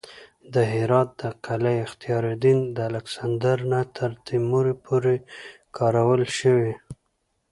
د هرات د قلعه اختیارالدین د الکسندر نه تر تیمور پورې کارول شوې